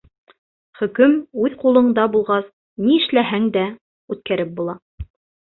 Хөкөм үҙ ҡулыңда булғас, ни эшләһәң дә — үткәреп була.